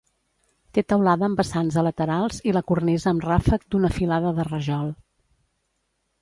Té teulada amb vessants a laterals i la cornisa amb ràfec d’una filada de rajol.